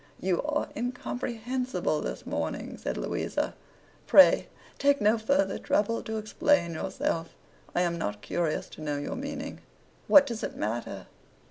'You are incomprehensible this morning,' said Louisa. 'Pray take no further trouble to explain yourself. I am not curious to know your meaning. What does it matter?